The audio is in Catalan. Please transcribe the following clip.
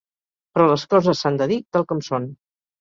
Però les coses s’han de dir tal com són.